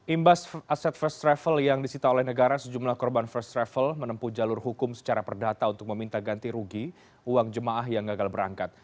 imbas aset first travel yang disita oleh negara sejumlah korban first travel menempuh jalur hukum secara perdata untuk meminta ganti rugi uang jemaah yang gagal berangkat